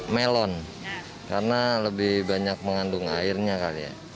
melon karena lebih banyak mengandung airnya